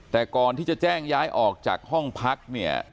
แต่ก่อนที่จะแจ้งย้ายออกจากห้องพักเนี่ย